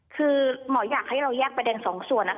คือหมออยากให้เราแยกประเด็นสองส่วน